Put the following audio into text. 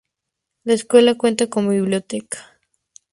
La escuela cuenta con Biblioteca.